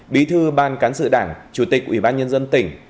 bí thư ban cán sự đảng chủ tịch ủy ban nhân dân tỉnh